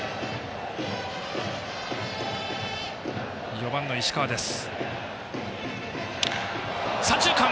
４番の石川です。